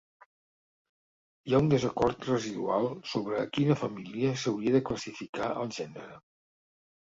Hi ha un desacord residual sobre a quina família s'hauria de classificar el gènere.